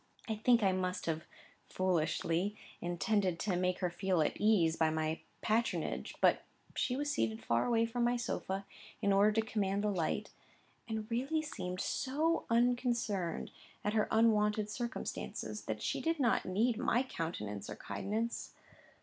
I think I must have (foolishly) intended to make her feel at her ease, by my patronage; but she was seated far away from my sofa, in order to command the light, and really seemed so unconcerned at her unwonted circumstances, that she did not need my countenance or kindness.